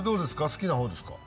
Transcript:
好きなほうですか？